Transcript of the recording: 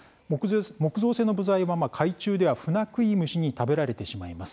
木造船の部材は海中ではフナクイムシに食べられてしまいます。